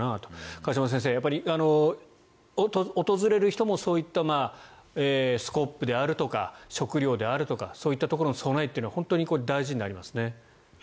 河島先生、訪れる人もそういったスコップであるとか食料であるとかそういったところの備えは本当に大事になりますね。